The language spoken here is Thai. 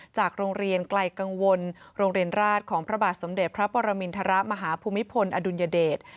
จากโรงเรียนไกลกังวลโรงเรียนราชของพระบาทสมเด็จพระปรมินทรมาฮภูมิพลอดุลยเดช